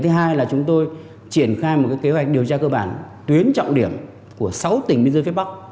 thứ hai là chúng tôi triển khai một kế hoạch điều tra cơ bản tuyến trọng điểm của sáu tỉnh biên giới phía bắc